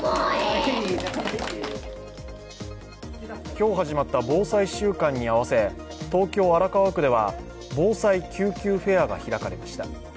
今日始まった防災週間に合わせ東京・荒川区では防災救急フェアが開かれました。